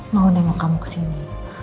mau nengok kamu kesini